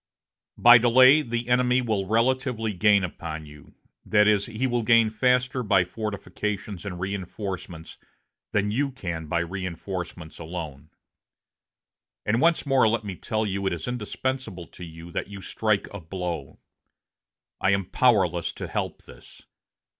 "By delay, the enemy will relatively gain upon you that is, he will gain faster by fortifications and reinforcements than you can by reinforcements alone. And once more let me tell you it is indispensable to you that you strike a blow. I am powerless to help this.